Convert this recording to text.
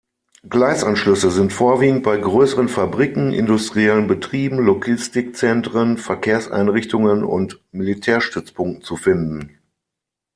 Gleisanschlüsse sind vorwiegend bei größeren Fabriken, industriellen Betrieben, Logistikzentren, Verkehrseinrichtungen und Militärstützpunkten zu finden.